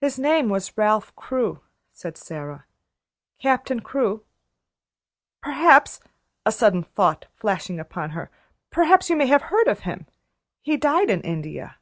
"His name was Ralph Crewe," said Sara. "Captain Crewe. Perhaps," a sudden thought flashing upon her, "perhaps you may have heard of him? He died in India."